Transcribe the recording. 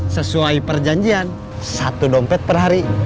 sesuai perjanjian satu dompet per hari